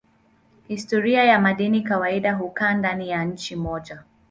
Historia ya madeni kawaida hukaa ndani ya nchi moja.